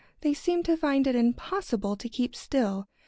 They seem to find it impossible to keep still.